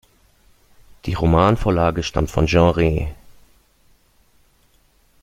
Die Romanvorlage stammt von Jean Ray.